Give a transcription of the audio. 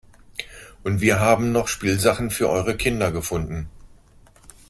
Und wir haben noch Spielsachen für eure Kinder gefunden.